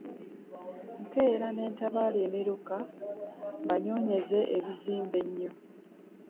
Nkeea n'entaabaala emiruka mbanonyeze ebizmba emyo .